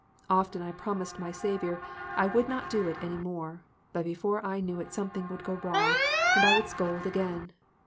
Often I promised my Saviour I would not do it any more ; but before I knew it something would go wrong, and I would scold again.